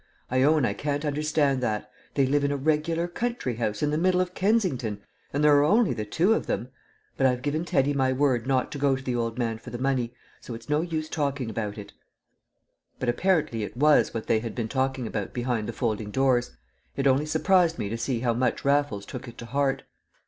I own I can't understand that. They live in a regular country house in the middle of Kensington, and there are only the two of them. But I've given Teddy my word not to go to the old man for the money, so it's no use talking about it." But apparently it was what they had been talking about behind the folding doors; it only surprised me to see how much Raffles took it to heart.